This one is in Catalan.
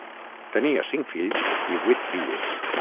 Tenia cinc fills i vuit filles.